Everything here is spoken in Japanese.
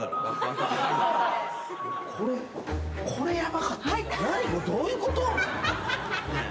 何これどういうこと？